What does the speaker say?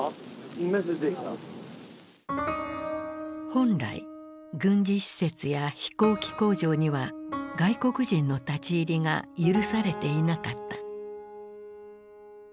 本来軍事施設や飛行機工場には外国人の立ち入りが許されていなかった。